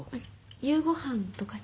夕ごはんとかに。